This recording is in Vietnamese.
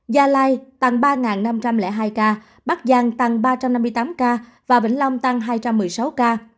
gia lai tăng ba năm trăm linh hai ca bắc giang tăng ba trăm năm mươi tám ca và vĩnh long tăng hai trăm một mươi sáu ca